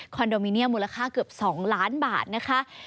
โดมิเนียมมูลค่าเกือบ๒ล้านบาทนะคะ